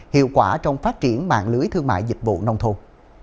hiệu quả trong phát triển mạng lưới thương mại dịch vụ nông thôn